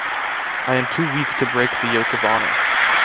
I am too weak to break the yoke of honor.